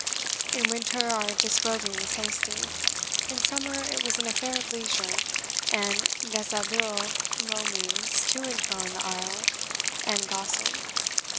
In winter our disrobing was hasty; in summer it was an affair of leisure, and deshabille roamings to and fro in the aisle, and gossip.